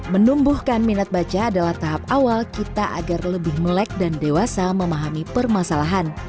menumbuhkan minat baca adalah tahap awal kita agar lebih melek dan dewasa memahami permasalahan